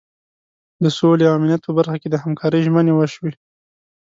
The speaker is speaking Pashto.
د سولې او امنیت په برخه کې د همکارۍ ژمنې وشوې.